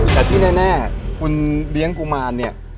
แต่ที่แน่คุณเลี้ยงกุมารเนี่ย